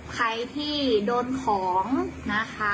ใครที่โดนของนะคะ